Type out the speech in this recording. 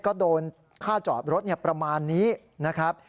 ก็โดนค่าจอดรถประมาณนี้นะครับ